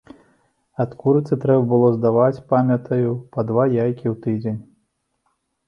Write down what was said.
Ад курыцы трэба было здаваць, памятаю, па два яйкі ў тыдзень.